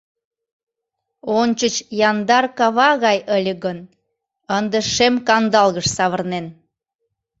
Ончыч яндар кава гай ыле гын, ынде шем кандалгыш савырнен.